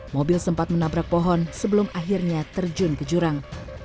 mobil sempat menabrak pohon sebelum akhirnya terjun ke jurang